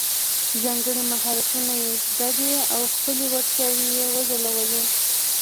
ځانګړي مهارتونه زده او خپلې وړتیاوې یې وځلولې.